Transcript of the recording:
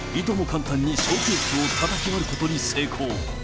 簡単にショーケースをたたき割ることに成功。